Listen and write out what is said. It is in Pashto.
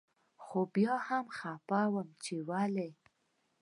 خو بيا هم خپه يم چي ولي